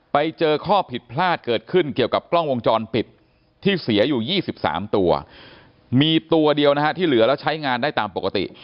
ไปเจอข้อผิดพลาดเกิดขึ้นเกี่ยวกับกล้องวงจรปิดที่เสียอยู่๒๓ตัวมีตัวเดียวนะฮะที่เหลือแล้วใช้งานได้ตามปกติ